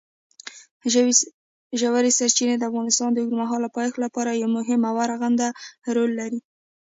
ژورې سرچینې د افغانستان د اوږدمهاله پایښت لپاره یو مهم او رغنده رول لري.